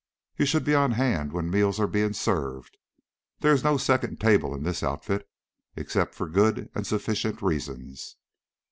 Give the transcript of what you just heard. "You should be on hand when meals are being served. There is no second table in this outfit, except for good and sufficient reasons."